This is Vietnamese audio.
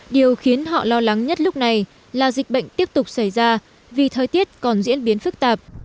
điều khiến họ lo lắng nhất lúc này là dịch bệnh tiếp tục xảy ra vì thời tiết còn diễn biến phức tạp